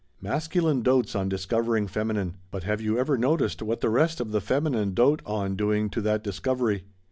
Masculine dotes on discovering feminine but have you ever noticed what the rest of the feminine dote on doing to that discovery?